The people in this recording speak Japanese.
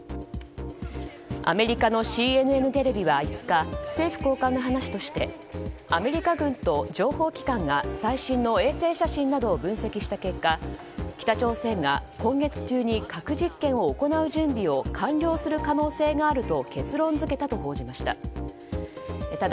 アメリカのＣＮＮテレビは５日政府高官の話としてアメリカ軍と情報機関が最新の衛星写真などを分析した結果北朝鮮が今月中に核実験を行う準備を完了する可能性があると結論付けたと報じました。